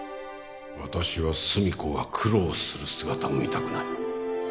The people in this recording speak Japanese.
私は寿美子が苦労する姿を見たくない